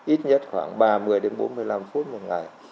ít nhất khoảng ba mươi đến bốn mươi năm phút một ngày